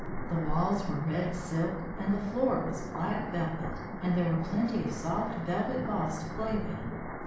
The walls were red silk, and the floor was black velvet, and there were plenty of soft velvet balls to play with.